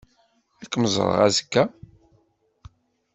Ad kem-ẓreɣ azekka.